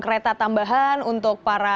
kereta tambahan untuk para